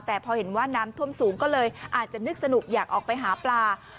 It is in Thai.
แต่พอเห็นว่าน้ำท่วมสูงก็เลยอาจจะนึกสนุกอยากออกไปหาปลา